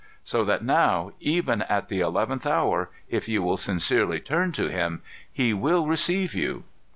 So that now, even at the eleventh hour, if you will sincerely turn to Him, He will receive you.